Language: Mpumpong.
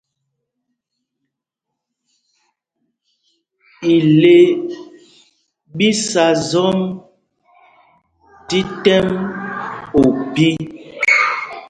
Ile ɓi sá zɔm tí tɛm ophī.